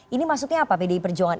ini maksudnya apa pdi perjuangan